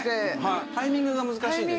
タイミングが難しいですよね。